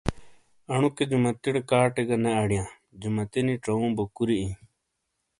انوکے جیمتیٹے کاٹے گہ نے اڈیاں جمتینی چووں بو کوری آیں۔